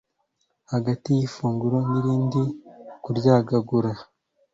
hagati yifunguro nirindi kuryagagura